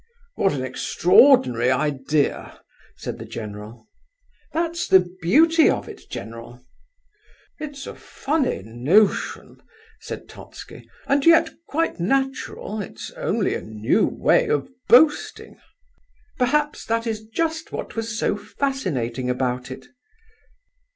"What an extraordinary idea!" said the general. "That's the beauty of it, general!" "It's a funny notion," said Totski, "and yet quite natural—it's only a new way of boasting." "Perhaps that is just what was so fascinating about it."